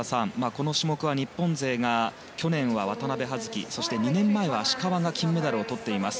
この種目は日本勢が去年は渡部葉月、そして２年前は芦川が金メダルをとっています。